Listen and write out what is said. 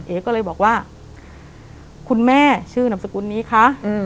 ก็เลยบอกว่าคุณแม่ชื่อนามสกุลนี้คะ